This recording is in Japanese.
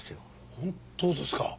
本当ですか？